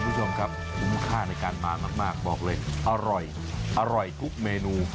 คุณผู้ชมครับคุณค่าในการมามากบอกเลยอร่อยกุ๊บเมนู